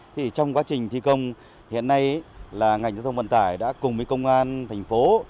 thì trong quá trình thi công hiện nay là ngành giao thông vận tải đã cùng với công an thành phố